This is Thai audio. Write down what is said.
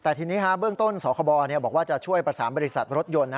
แต่ทีนี้เบื้องต้นสคบบอกว่าจะช่วยประสานบริษัทรถยนต์